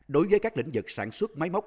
đối với các lĩnh vực sản xuất máy móc